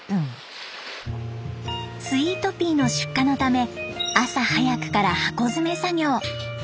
スイートピーの出荷のため朝早くから箱詰め作業。